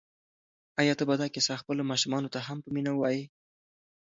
آیا ته به دا کیسه خپلو ماشومانو ته هم په مینه ووایې؟